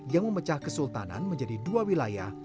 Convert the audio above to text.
yang memecah kesultanan menjadi dua wilayah